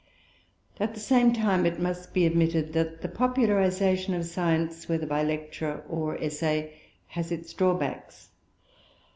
At the same time it must be admitted that the popularization of science, whether by lecture or essay, has its drawbacks.